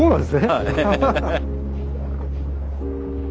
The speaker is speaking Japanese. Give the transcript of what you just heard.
はい。